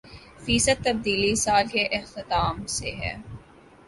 فیصد تبدیلی سال کے اختتام سے ہے